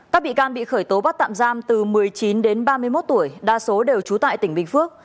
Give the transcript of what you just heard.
các bị can bị khởi tố bắt tạm giam từ một mươi chín đến ba mươi một tuổi đa số đều trú tại tỉnh bình phước